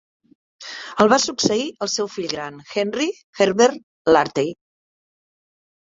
El va succeir el seu fill gran, Henry Herbert Lartey.